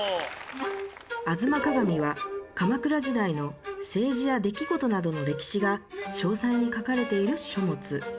『吾妻鏡』は鎌倉時代の政治や出来事などの歴史が詳細に書かれている書物。